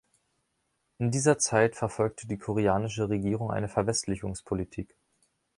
In dieser Zeit verfolgte die koreanische Regierung eine Verwestlichungspolitik.